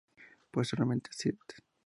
Posteriormente St.